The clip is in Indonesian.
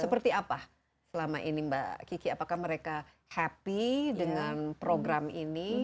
seperti apa selama ini mbak kiki apakah mereka happy dengan program ini